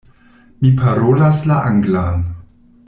Mi parolas la anglan.